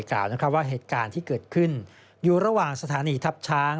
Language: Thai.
กล่าวว่าเหตุการณ์ที่เกิดขึ้นอยู่ระหว่างสถานีทัพช้าง